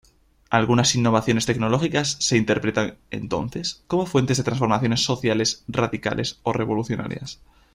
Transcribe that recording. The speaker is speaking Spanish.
Algunas innovaciones tecnológicas se interpretan, entonces, como fuentes de transformaciones sociales radicales o revolucionarias.